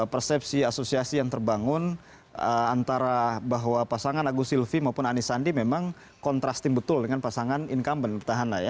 persepsi asosiasi yang terbangun antara bahwa pasangan agus sylvi maupun ani sandi memang kontrasting betul dengan pasangan incumbent bertahan lah ya